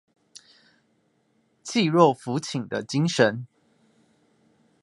濟弱扶傾的精神